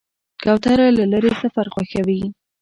کوتره له لرې سفر خوښوي.